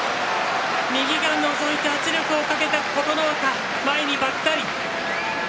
右がのぞいて圧力をかけた琴ノ若前にばったり。